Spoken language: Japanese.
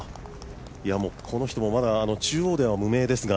この人も中央では無名ですが。